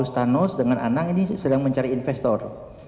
stanos dengan anang ini sedang mencari investor